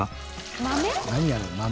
豆？